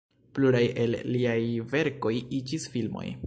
Pluraj el liaj verkoj iĝis filmoj.